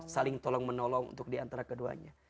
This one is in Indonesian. saling tolong menolong untuk di antara keduanya